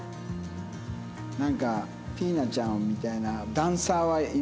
なんかフィーナちゃんみたいなダンサーはいるよね。